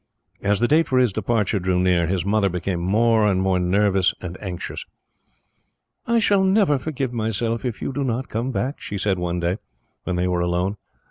As the date for his departure drew near, his mother became more and more nervous and anxious. "I shall never forgive myself, if you do not come back," she said one day, when they were alone.